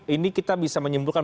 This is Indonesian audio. ini kita bisa menyimpulkan